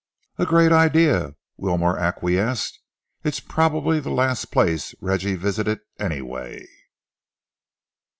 "A great idea," Wilmore acquiesced. "It's probably the last place Reggie visited, anyway."